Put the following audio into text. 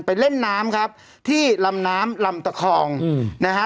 เล่นน้ำครับที่ลำน้ำลำตะคองนะฮะ